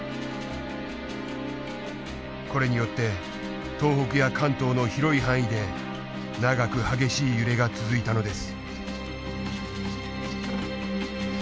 これによって東北や関東の広い範囲で長く激しい揺れが続いたのです。